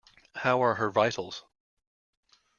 How are her vitals?